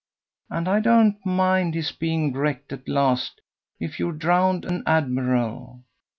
And I don't mind his being wrecked at last, if you're drowned an admiral.